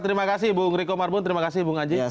terima kasih bung riko marbun terima kasih bung aji